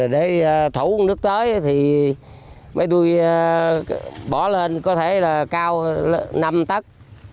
để thủ nước tới thì mấy đuôi bỏ lên có thể là cao năm tất